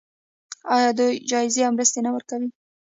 آیا دوی جایزې او مرستې نه ورکوي؟